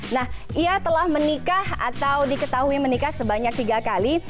nah ia telah menikah atau diketahui menikah sebanyak tiga kali